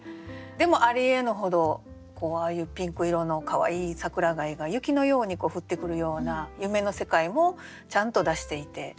でも「あり得ぬほど」ああいうピンク色のかわいい桜貝が雪のように降ってくるような夢の世界もちゃんと出していて。